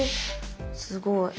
すごい。